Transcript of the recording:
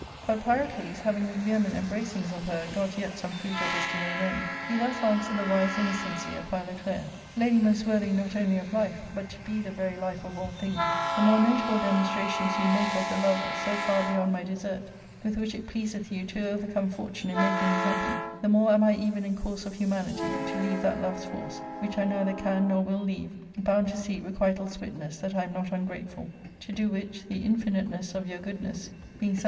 But Pyrocles having with vehement embracings of her got yet some fruit of his delayed end, he thus answered the wise innocency of Philoclea :" Lady most worthy not only of life, but to be the very life of all things, the more notable demon strations you make of the love, so far beyond my desert, with which it pleaseth you to overcome fortune in making me happy, the more am I even in course of humanity, to leave that love's force, which I neither can nor will leave, bound to seek requital's witness that I am not ungrateful, to do which the infiniteness of your goodness being such as I ARCADIA.